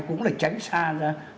cũng là tránh xa ra